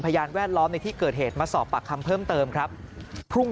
พยานแวดล้อมในที่เกิดเหตุมาสอบปากคำเพิ่มเติมครับพรุ่ง